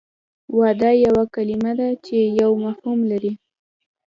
واده یوه کلمه ده چې یو مفهوم لري